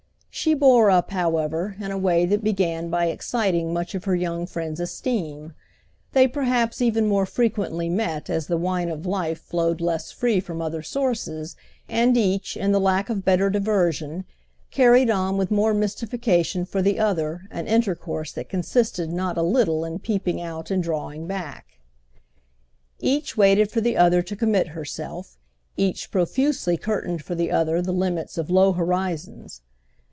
She bore up, however, in a way that began by exciting much of her young friend's esteem; they perhaps even more frequently met as the wine of life flowed less free from other sources, and each, in the lack of better diversion, carried on with more mystification for the other an intercourse that consisted not a little in peeping out and drawing back. Each waited for the other to commit herself, each profusely curtained for the other the limits of low horizons.